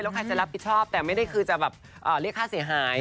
แล้วใครจะรับผิดชอบแต่ไม่ได้คือจะแบบเรียกค่าเสียหาย